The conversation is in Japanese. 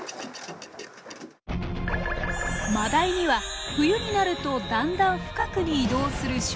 マダイには冬になるとだんだん深くに移動する習性が。